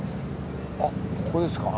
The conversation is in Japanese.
あっここですか？